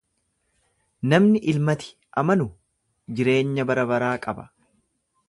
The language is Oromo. Namni ilmati amanu jireenya barabaraa qaba.